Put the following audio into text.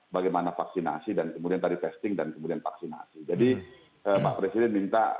bagaimana vaksinasi dan kemudian tadi testing dan kemudian vaksinasi jadi pak presiden minta